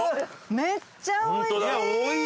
めっちゃおいしい！